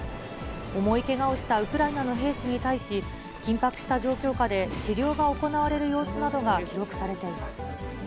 重いけがをしたウクライナの兵士に対し、緊迫した状況下で治療が行われる様子などが記録されています。